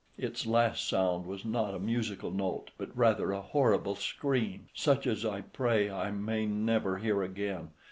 Its last sound was not a musical note, but rather a horrible scream, such as I pray I may never hear again.